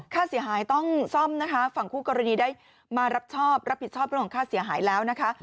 ค่าเสียหายต้องซ่อมนะคะฝั่งคู่กรณีได้มารับชอบรับผิดชอบของค่าเสียหายแล้วนะคะ